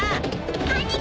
兄貴！